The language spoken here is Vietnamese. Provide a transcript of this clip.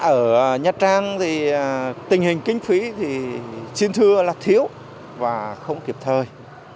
ở nha trang thì tình hình kinh phí thì xin thưa là thiếu và không kịp thời